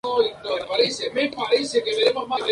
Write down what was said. En cuanto al nombre no hay certeza de su origen.